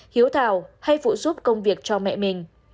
hiếu thảo hay phụ giúp công việc cho mẹ mình